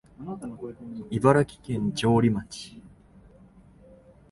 茨城県城里町